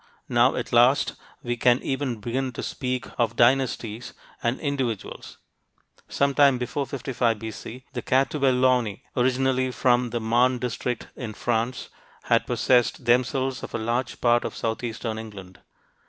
Now, at last, we can even begin to speak of dynasties and individuals. Some time before 55 B.C., the Catuvellauni, originally from the Marne district in France, had possessed themselves of a large part of southeastern England.